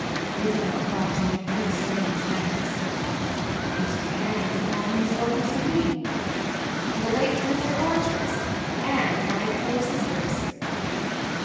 Isabel thought she had very strange manners. "It depends upon whose daughters you mean." "The late Mr. Archer's and my poor sister's."